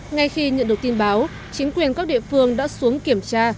ngay khi nhận được tin báo chính quyền các địa phương đã xuống kiểm tra